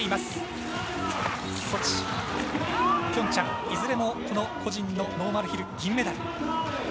ソチ、ピョンチャンいずれも個人のノーマルヒル銀メダル。